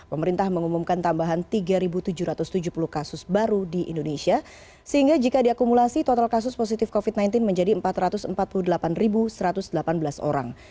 pemerintah mengumumkan tambahan tiga tujuh ratus tujuh puluh kasus baru di indonesia sehingga jika diakumulasi total kasus positif covid sembilan belas menjadi empat ratus empat puluh delapan satu ratus delapan belas orang